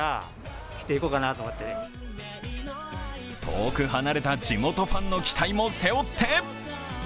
遠く離れた地元ファンの期待も背負って。